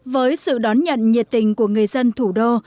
với sự đón nhận nhiệt tình của người dân thủ đô